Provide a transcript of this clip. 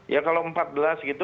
ya kalau empat belas gitu